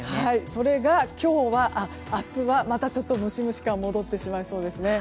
それが明日はちょっとムシムシ感戻ってしまいそうです。